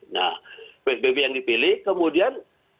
nah psbb yang dipilih kemudian